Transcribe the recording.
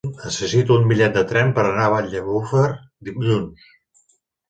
Necessito un bitllet de tren per anar a Banyalbufar dilluns.